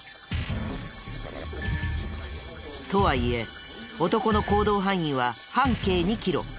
とはいえ男の行動範囲は半径２キロ。